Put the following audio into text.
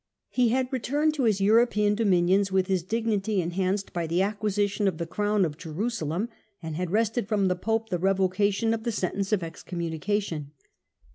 He had returned to his European dominions with his dignity enhanced by the acquisition of the Crown of Jeru salem, and had wrested from the Pope the revocation of the sentence of excommunication.